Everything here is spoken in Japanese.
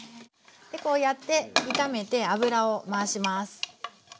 こうやって炒めて油を回します。